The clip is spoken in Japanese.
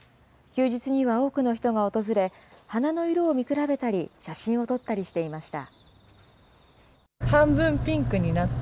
休日には多くの人が訪れ、花の色を見比べたり、写真を撮ったりしていました。